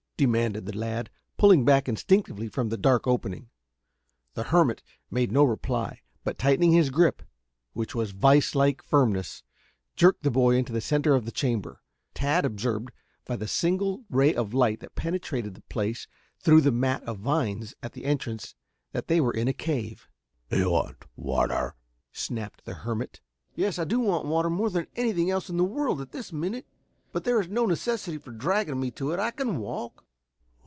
demanded the lad, pulling back instinctively from the dark opening. The hermit made no reply, but tightening his grip, which was of vise like firmness, jerked the boy into the center of the chamber. Tad observed by the single ray of light that penetrated the place through the mat of vines at the entrance that they were in a cave. "You want water?" snapped the hermit. "Yes, I do want water more than anything else in the world at this minute, but there is no necessity for dragging me to it. I can walk."